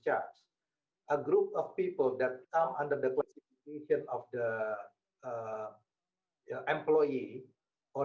orang orang tinggal di rumah